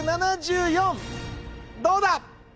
どうだ？